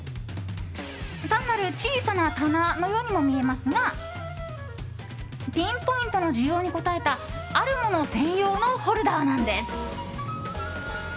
単なる小さな棚のようにも見えますがピンポイントの需要に応えたあるもの専用のホルダーなんです。